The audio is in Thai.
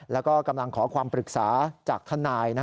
แล้วก็กำลังขอความปรึกษาจากทนาย